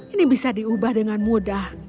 ini bisa diubah dengan mudah